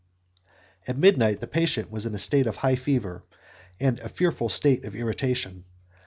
At midnight the patient was in a state of high fever, and in a fearful state of irritation.